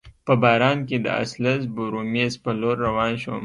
په باران کي د اسلز بورومیز په لور روان شوم.